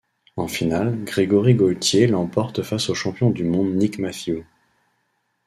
En finale, Grégory Gaultier l'emporte face au champion du monde Nick Matthew.